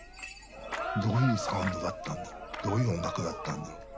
どういうサウンドだったんだろうどういう音楽だったんだろう